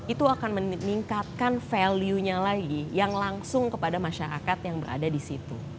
itu akan meningkatkan value nya lagi yang langsung kepada masyarakat yang berada di situ